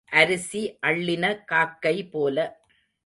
அரிசி அள்ளின காக்கைபோல.